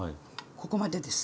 ここまでです。